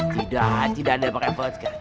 tidak tidak ada yang merepotkan